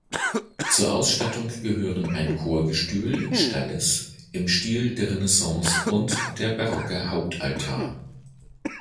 Zur Ausstattung gehören ein Chorgestühl "(stalles)" im Stil der Renaissance und der barocke Hauptaltar.